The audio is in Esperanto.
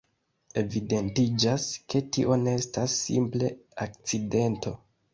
Evidentiĝas, ke tio ne estas simple akcidento.